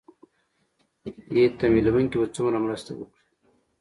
ې تمويلوونکي به څومره مرسته وکړي